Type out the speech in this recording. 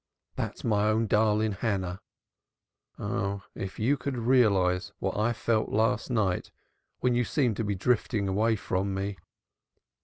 "That's my own darling Hannah. Oh, if you could realize what I felt last night when you seemed to be drifting away from me."